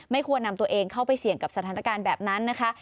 ควรนำตัวเองเข้าไปเสี่ยงกับสถานการณ์แบบนั้นนะคะ